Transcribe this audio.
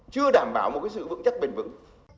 chưa đảm bảo một sự vững chắc bền vững